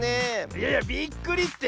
いやいやびっくりって！